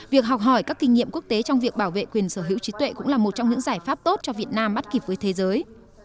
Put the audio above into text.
việc học hỏi các kinh nghiệm quốc tế trong việc bảo vệ quyền sở hữu trí tuệ cũng là một trong những giải pháp tốt cho việt nam bắt kịp với thế giới